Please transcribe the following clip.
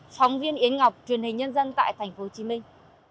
phóng viên yến ngọc truyền hình nhân dân tại thành phố hồ chí minh